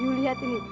yuk lihat ini